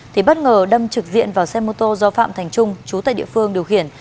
thì bất ngờ đâm trực diện vào xe mô tô do phạm thành trung chú tại địa phương điều khiển